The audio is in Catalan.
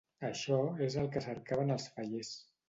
Això és el que cercaven els fallers.